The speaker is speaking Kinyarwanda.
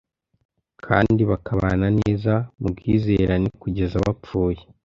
kandi bakabana neza mu bwizerane kugeza bapfuye